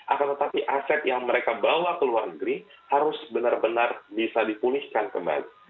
akan tetapi aset yang mereka bawa ke luar negeri harus benar benar bisa dipulihkan kembali